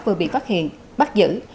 vừa bị phát hiện bắt giữ